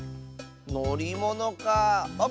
「のりもの」かあ。